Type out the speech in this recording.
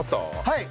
はい！